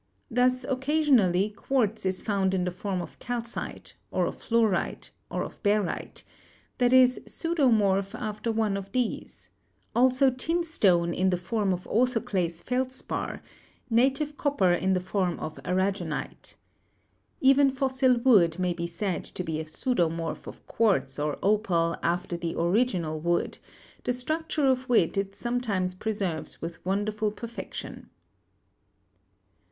Thus occasionally quartz is found in the form of calcite, or of fluorite, or of barite; that is, pseudomorph after one of these; also tin stone in the form of orthoclase feldspar; native copper in the form of aragonite. Even fossil wood may be said to be a pseudomorph of quartz or opal after the original wood, the structure of which it sometimes preserves with won derful perfection.